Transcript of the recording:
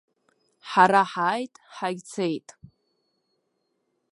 Ҳара ҳааит, ҳагьцеит.